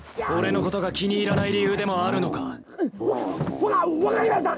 わ分かりました！